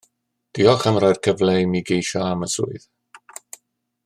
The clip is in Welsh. Diolch am roi'r cyfle imi geisio am y swydd